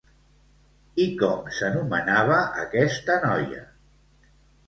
I com s'anomenava aquesta noia?